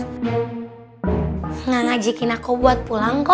tidak ngajakin aku buat pulang kok